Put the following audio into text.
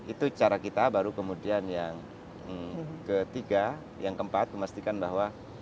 itu cara kita baru kemudian yang ketiga yang keempat memastikan bahwa